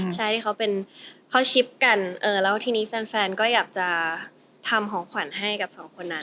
ใช่ที่เขาเป็นเขาชิปกันแล้วทีนี้แฟนก็อยากจะทำของขวัญให้กับสองคนนั้น